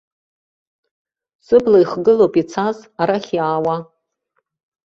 Сыбла ихгылоуп ицаз, арахь иаауа.